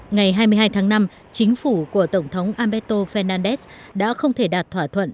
ngày hai mươi hai tháng năm chính phủ của tổng thống aberto fernandez đã không thể đạt thỏa thuận